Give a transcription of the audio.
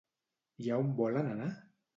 I a on volen anar?